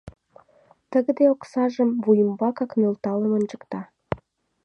Тыгыде оксажым вуй ӱмбакак нӧлталын ончыкта.